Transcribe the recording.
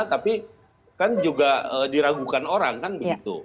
tapi kan juga diragukan orang kan begitu